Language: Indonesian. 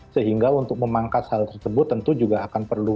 sehingga untuk memangkas hal tersebut tentu juga akan perlu